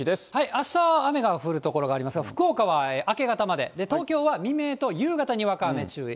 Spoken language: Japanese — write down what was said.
あした雨が降る所がありますが、福岡は明け方まで、東京は未明と夕方、にわか雨注意。